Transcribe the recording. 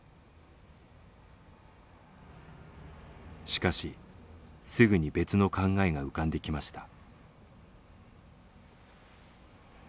しかしすぐに別の考えが浮かんできました。